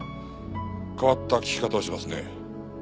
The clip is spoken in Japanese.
変わった聞き方をしますね。